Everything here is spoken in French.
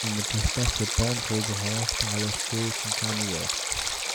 Ils ne peuvent pas se pendre aux branches par leur queue et sont carnivores.